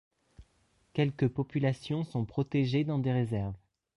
Quelques populations sont protégées dans des réserves.